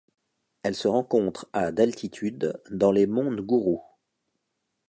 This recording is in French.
Elle se rencontre à d'altitude dans les monts Nguru.